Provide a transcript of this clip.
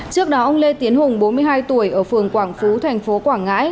trước đó ông lê tiến hùng bốn mươi hai tuổi ở phường quảng phú tp quảng ngãi